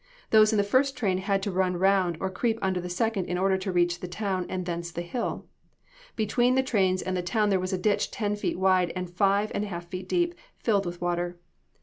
Those in the first train had to run round, or creep under the second in order to reach the town, and thence the hill. Between the trains and the town there was a ditch ten feet wide, and five and a half feet deep, and filled with water.